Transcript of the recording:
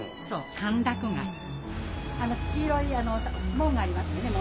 あの黄色い門がありますよね。